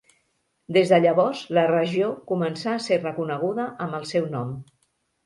Des de llavors la regió començà a ser reconeguda amb el seu nom.